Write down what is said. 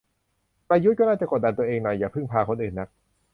ประยุทธ์ก็น่าจะกดดันตัวเองหน่อย อย่าพึ่งพาคนอื่นนัก